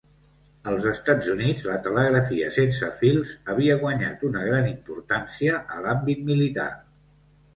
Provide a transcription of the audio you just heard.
Als Estats Units la telegrafia sense fils havia guanyat una gran importància a l'àmbit militar.